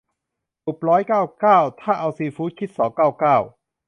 บุฟร้อยเก้าเก้า ถ้าเอาซีฟู้ดคิดสองเก้าเก้า